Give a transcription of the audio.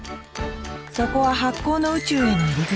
そこは発酵の宇宙への入り口。